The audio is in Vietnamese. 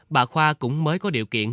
bà khoa cũng mới có điều kiện